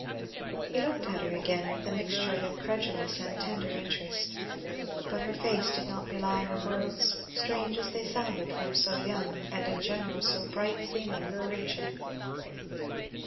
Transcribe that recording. He looked at her again with a mixture of incredulous and tender interest, but her face did not belie her words, strange as they sounded from so young and in general so bright seeming a creature.